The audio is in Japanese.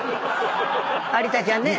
有田ちゃんね。